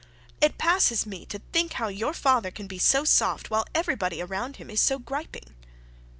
It passes me to think how your father can be so soft, while everybody around him is so griping.'